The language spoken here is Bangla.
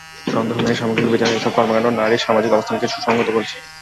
সন্দেহ নেই, সামগ্রিক বিচারে এসব কর্মকাণ্ড নারীর সামাজিক অবস্থানকে সংহত করছে।